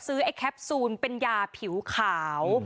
ซื้อแอ๊ะแคปซูลเป็นยาผิวขาว